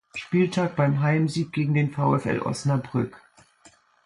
Spieltag beim Heimsieg gegen den VfL Osnabrück.